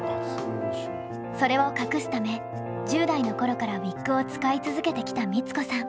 それを隠すため１０代の頃からウィッグを使い続けてきた光子さん。